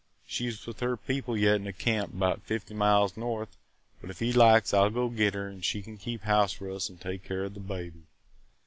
She 's with her people yet in a camp 'bout fifty miles north but if he likes I 'll go get her an' she can keep house for us an' take care of th' baby.